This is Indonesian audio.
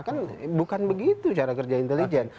kan bukan begitu cara kerja intelijen